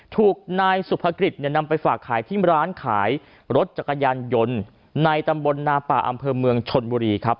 ถูกนายสุภกิจเนี่ยนำไปฝากขายที่ร้านขายรถจักรยานยนต์ในตำบลนาป่าอำเภอเมืองชนบุรีครับ